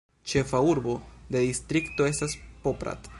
Ĉefa urbo de distrikto estas Poprad.